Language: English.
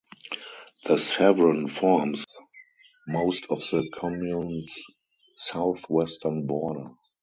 The Sevron forms most of the communes's southwestern border.